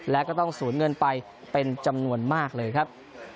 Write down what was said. และก็ต้องสูญเงินไปเป็นจำนวนมากเลยครับ